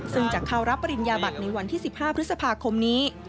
ซึ่งจะเข้ารับปริญญาบัตรในวันที่๑๕พฤษภาคมนี้